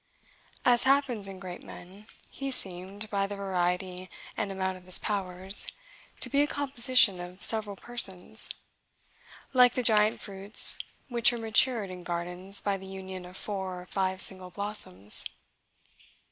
As happens in great men, he seemed, by the variety and amount of his powers, to be a composition of several persons, like the giant fruits which are matured in gardens by the union of four or five single blossoms.